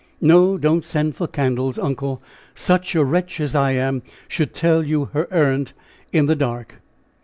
"No; don't send for candles, uncle! Such a wretch as I am should tell her errand in the dark."